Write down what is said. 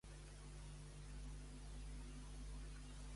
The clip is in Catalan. Quan va ser concebuda Cú Chulainn?